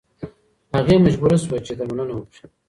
هغې مجبوره شوه چې درملنه وکړي.